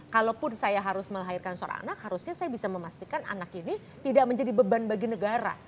kalaupun saya harus melahirkan seorang anak harusnya saya bisa memastikan anak ini tidak menjadi beban bagi negara